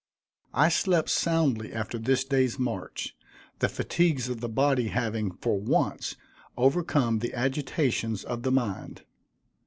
I slept soundly after this day's march, the fatigues of the body having, for once, overcome the agitations of the mind.